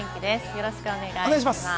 よろしくお願いします。